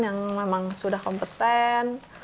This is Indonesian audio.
yang memang sudah kompeten